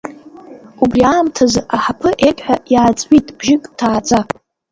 Убри аамҭазы аҳаԥы ергьҳәа иааҵҩит бжьык ҭааӡа…